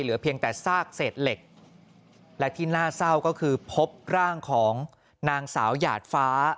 เพียงแต่ซากเศษเหล็กและที่น่าเศร้าก็คือพบร่างของนางสาวหยาดฟ้า